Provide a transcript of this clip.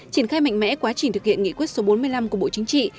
triển khai mạnh mẽ quá trình thực hiện nghị quyết số bốn mươi năm của bộ chính trị